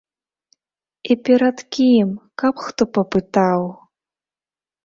І перад кім, каб хто папытаў?!